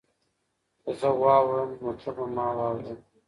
که زه واوړم نو ته به ما واورې؟